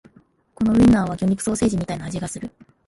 このウインナーは魚肉ソーセージみたいな味がする